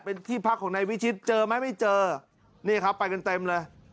เป็นที่พักของนายวิชิตเจอไหมไม่เจอนี่ครับไปกันเต็มเลย